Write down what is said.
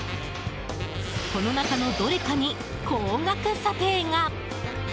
この中のどれかに高額査定が。